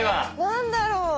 何だろう？